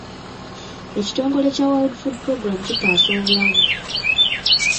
Ekitongole kya World Food Programme kitaasa obulamu.